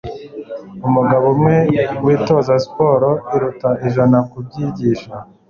Umugabo umwe witoza siporo aruta ijana kubyigisha.